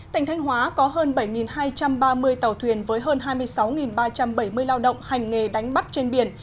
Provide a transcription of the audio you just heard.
tỉnh thanh hóa có hơn bảy hai trăm ba mươi tàu thuyền với hơn hai mươi sáu ba trăm bảy mươi lao động hành nghề đánh bắt trên biển